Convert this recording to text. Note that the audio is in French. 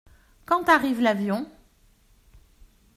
Quand arrive l’avion ?